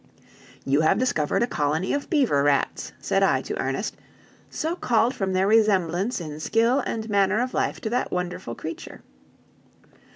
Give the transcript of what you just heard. "You have discovered a colony of beaver rats," said I to Ernest, "so called from their resemblance in skill and manner of life to that wonderful creature.